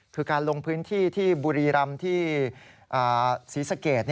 คือการลงพื้นที่ที่บุรีรำที่ศรีสะเกด